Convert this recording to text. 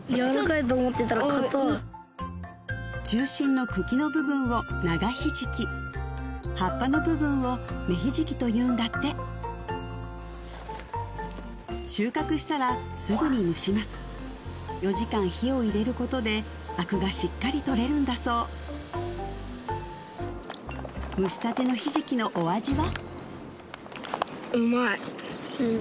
中心の茎の部分を長ひじき葉っぱの部分を芽ひじきというんだって収穫したらすぐに蒸します４時間火を入れることであくがしっかり取れるんだそう蒸したてのひじきのお味は？